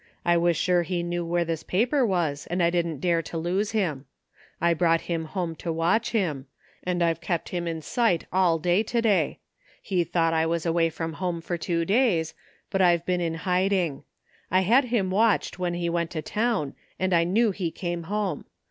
I was sure he knew where this paper was and I didn't dare to lose him. I brought him home to watch him; and I've kept him in sight all day to day. He thought I was away from home for two days, but I've been in hiding. I had him watched when he went to town and I knew he came home.